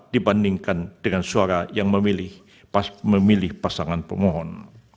dibandingkan dengan suara yang memilih pasangan pemohon